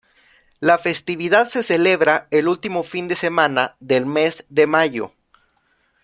La festividad se celebra el último fin de semana del mes de mayo.